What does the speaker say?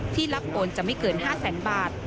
ที่รับโปรดจะไม่เกิน๕๐๐๐๐๐บาท